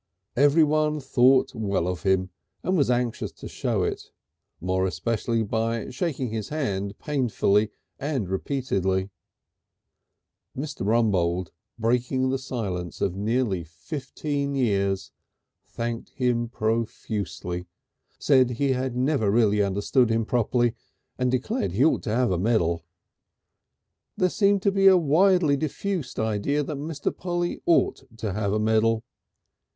Everyone thought well of him and was anxious to show it, more especially by shaking his hand painfully and repeatedly. Mr. Rumbold, breaking a silence of nearly fifteen years, thanked him profusely, said he had never understood him properly and declared he ought to have a medal. There seemed to be a widely diffused idea that Mr. Polly ought to have a medal.